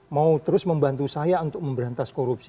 mau terus membantu saya untuk memberantas korupsi